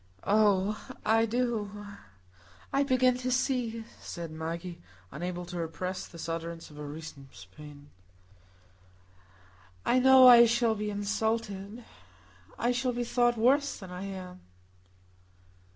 "Oh, I do,—I begin to see," said Maggie, unable to repress this utterance of her recent pain. "I know I shall be insulted. I shall be thought worse than I am."